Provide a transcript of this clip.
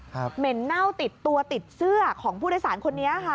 เหม็นเน่าติดตัวติดเสื้อของผู้โดยสารคนนี้ค่ะ